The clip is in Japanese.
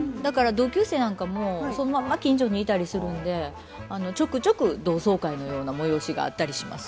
同級生なんかもそのまんま近所にいたりするんでちょくちょく同窓会のような催しがあったりします。